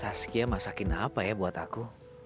saskia masakin apa ya buat aku